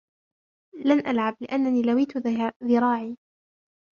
لن العب لانني لويت ذراعي.